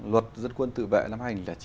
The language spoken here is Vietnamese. luật dân quân tự vệ năm hai nghìn chín